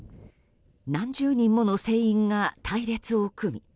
何十人もの船員が隊列を組み